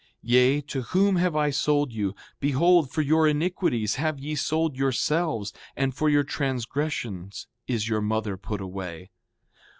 Yea, to whom have I sold you? Behold, for your iniquities have ye sold yourselves, and for your transgressions is your mother put away.